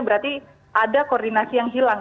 berarti ada koordinasi yang hilang